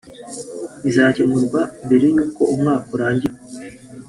bizacyemurwa mbere y’uko umwaka urangira